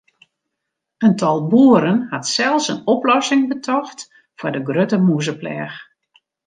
In tal boeren hat sels in oplossing betocht foar de grutte mûzepleach.